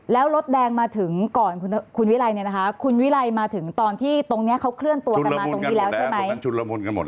แล้วรถแดงมาถึงก่อนคุณวิรัยเนี่ยนะคะคุณวิรัยมาถึงตอนที่ตรงนี้เขาเคลื่อนตัวกันมาตรงนี้แล้วใช่ไหม